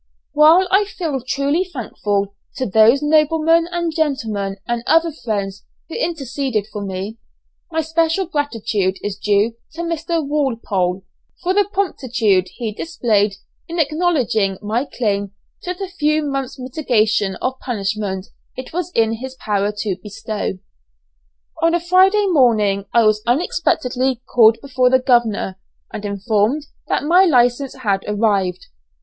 While I feel truly thankful to those noblemen and gentlemen and other friends who interceded for me, my special gratitude is due to Mr. Walpole, for the promptitude he displayed in acknowledging my claim to the few months' mitigation of punishment it was in his power to bestow. On a Friday morning I was unexpectedly called before the governor, and informed that my license had arrived.